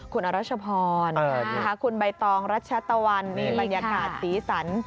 คุณอรัชพรคุณใบตองรัชตะวันนี่บรรยากาศสีสัน